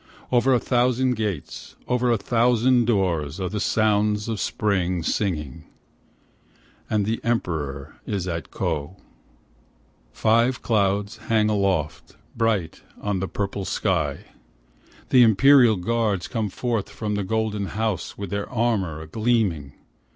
Over a thousand gates, over a thousand doors are the sounds of spring singing, And the Emperor is at Ko. Five clouds hang aloft, bright on the purple sky, 79 G 2 * THE RIVER SONG The imperial guards come forth from the golden house with their armour a gl earning.